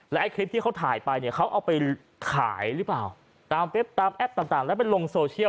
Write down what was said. และไอ้คลิปที่เขาถ่ายไปเขาเอาไปขายหรือเปล่าตามแอปต่างแล้วไปลงโซเชียล